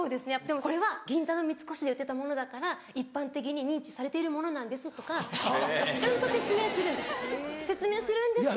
でも「これは銀座の三越で売ってたものだから一般的に認知されているものなんです」とかちゃんと説明するんです説明するんですけど。